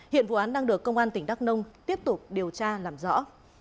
hiện vụ án đang được công an tỉnh đắk nông tiếp tục điều tra làm rõ